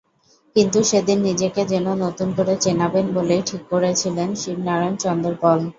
কিন্তু সেদিন নিজেকে যেন নতুন করে চেনাবেন বলেই ঠিক করেছিলেন শিবনারায়ণ চন্দরপল।